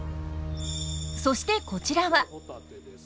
そしてこちらは。